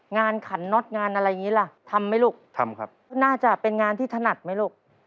งานขันน็อตงานอะไรอย่างนี้ล่ะทำไหมลูก